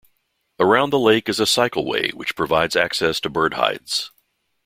Around the lake is a cycle way which provides access to bird hides.